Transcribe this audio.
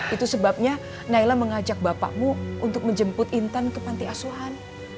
itu sebabnya naila mengajak bapakmu untuk menjemput intan ke panti asuhan